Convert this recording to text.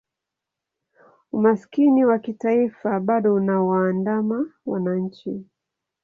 umasikini wa kitaifa bado unawaandama wananchi